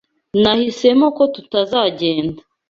Nahisemo ko tutazagenda.